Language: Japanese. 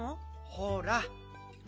ほら。